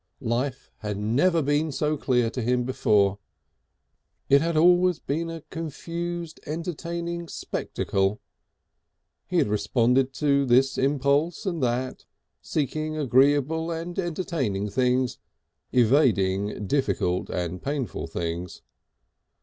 Life had never been so clear to him before. It had always been a confused, entertaining spectacle, he had responded to this impulse and that, seeking agreeable and entertaining things, evading difficult and painful things.